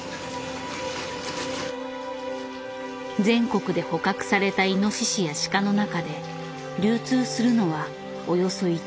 全国で捕獲されたイノシシやシカの中で流通するのはおよそ１割。